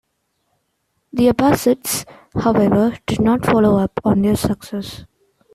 The Abbasids, however, did not follow up on their success.